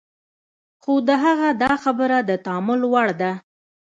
خو د هغه دا خبره د تأمل وړ ده.